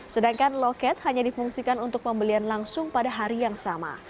sedangkan loket hanya difungsikan untuk pembelian langsung pada hari yang sama